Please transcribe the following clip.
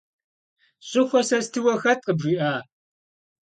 Щӏыхуэ сэ стыуэ хэт къыбжиӏа?